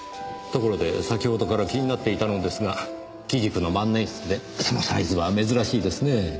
ところで先ほどから気になっていたのですが木軸の万年筆でそのサイズは珍しいですねぇ。